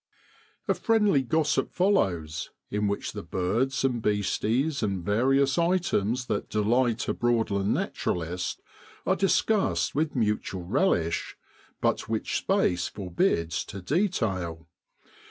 A friendly gossip follows, in which the birds and beasties, and various items that delight a Broadland Naturalist are discussed with mutual relish, but which space forbids to detail.